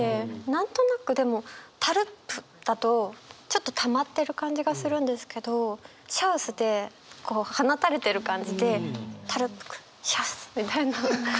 何となくでも「タルップ」だとちょっとたまってる感じがするんですけど「シャウス」でこう放たれてる感じで「タルップ・ク・シャウス」みたいな。